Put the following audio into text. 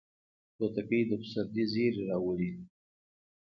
توتکۍ د پسرلي زیری راوړي